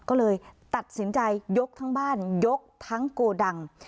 ก็เลยตัดสินใจยกทั้งบ้านยกทั้งโกดัง